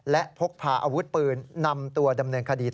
และพกพาอาวุธปืนนำตัวดำเนินคดี